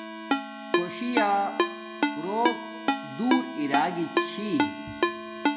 خوشییا دوک دور ارا گی چھی